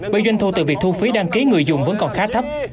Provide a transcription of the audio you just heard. bởi doanh thu từ việc thu phí đăng ký người dùng vẫn còn khá thấp